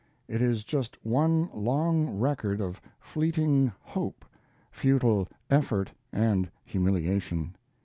It is just one long record of fleeting hope, futile effort, and humiliation.